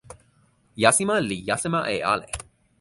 jasima li jasima e ale.